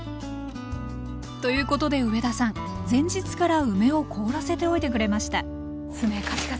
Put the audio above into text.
ということで上田さん前日から梅を凍らせておいてくれましたカチカチ？